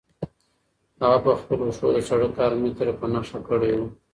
هغه په خپلو پښو د سړک هر متر په نښه کړی و.